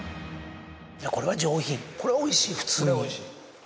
これは上品これはおいしい普通に。